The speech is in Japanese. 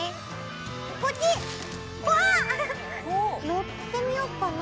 乗ってみようかな。